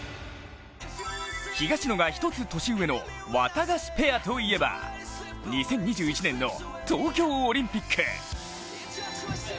東野が１つ年上のワタガシペアといえば２０２１年の東京オリンピック。